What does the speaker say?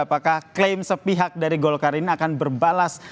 apakah klaim sepihak dari golkar ini akan berbalas